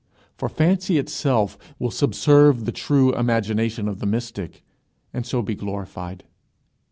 For fancy itself will subserve the true imagination of the mystic, and so be glorified.